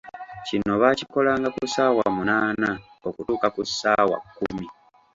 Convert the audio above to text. Kino baakikolanga ku ssaawa munaana okutuuka ku ssaawa kkumi.